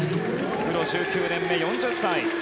プロ１９年目、４０歳。